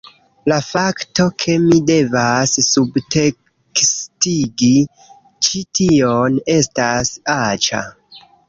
La fakto, ke mi devas subtekstigi ĉi tion, estas aĉa...